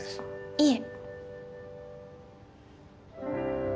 いえ。